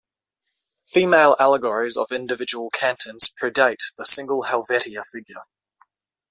Female allegories of individual cantons predate the single "Helvetia" figure.